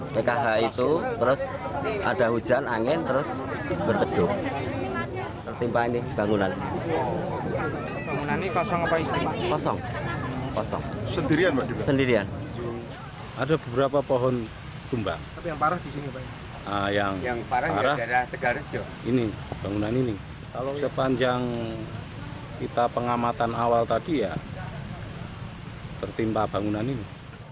yang kita pengamatan awal tadi ya tertimpa bangunan ini